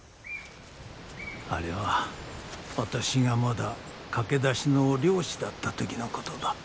あれは私がまだ駆け出しの猟師だった時のことだ。